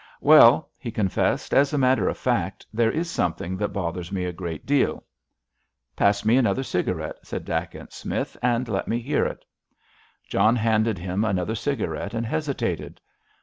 "Well," he confessed, "as a matter of fact, there is something that bothers me a good deal." "Pass me another cigarette," said Dacent Smith, "and let me hear it." John handed him another cigarette, and hesitated.